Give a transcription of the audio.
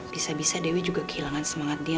bisa bisa dewi juga kehilangan semangat dia